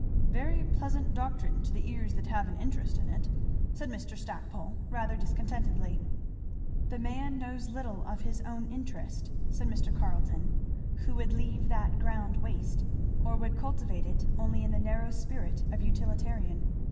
"Very pleasant doctrine to the ears that have an interest in it!" said Mr. Stackpole rather discontentedly. "The man knows little of his own interest," said Mr. Carleton, "who would leave that ground waste, or would cultivate it only in the narrow spirit of a utilitarian.